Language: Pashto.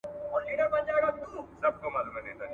ښوونه اوس هم روانه ده.